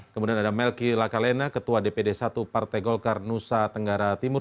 kemudian ada melki lakalena ketua dpd satu partai golkar nusa tenggara timur